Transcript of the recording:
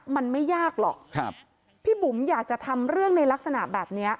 มันไม่ยากหรอกครับพี่บุ๋มอยากจะทำเรื่องในลักษณะแบบเนี้ย